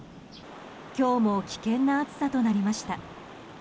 今日も危険な暑さとなりました。